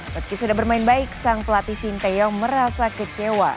meski sudah bermain baik sang pelatih sinteyong merasa kecewa